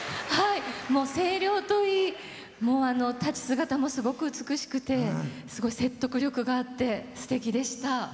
声量といい立ち姿もすごく美しくてすごい説得力があってすてきでした。